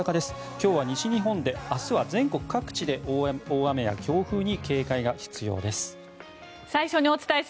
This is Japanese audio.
今日は西日本で明日は全国各地で大雨や強風に警戒が必要です。